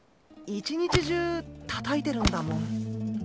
一日中たたいてるんだもん。